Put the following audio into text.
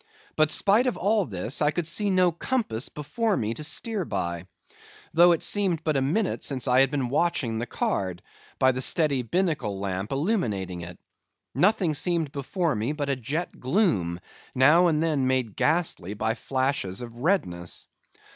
But, spite of all this, I could see no compass before me to steer by; though it seemed but a minute since I had been watching the card, by the steady binnacle lamp illuminating it. Nothing seemed before me but a jet gloom, now and then made ghastly by flashes of redness.